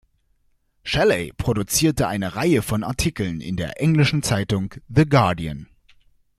Shelley produzierte eine Reihe von Artikeln in der englischen Zeitung "The Guardian".